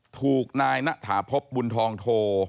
ถูกนายณฐาพบบุญทองโท